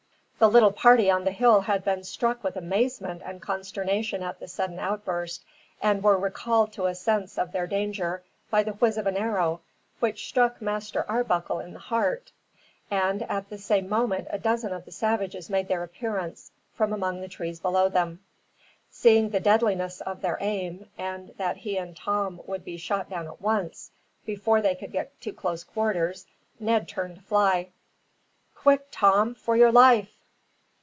The little party on the hill had been struck with amazement and consternation at the sudden outburst, and were recalled to a sense of their danger by the whiz of an arrow, which struck Master Arbuckle in the heart; and at the same moment a dozen of the savages made their appearance, from among the trees below them. Seeing the deadliness of their aim, and that he and Tom would be shot down at once, before they could get to close quarters, Ned turned to fly. "Quick, Tom, for your life!"